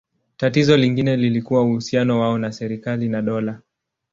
Tatizo lingine lilikuwa uhusiano wao na serikali na dola.